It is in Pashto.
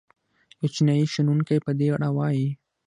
یو چینايي شنونکی په دې اړه وايي.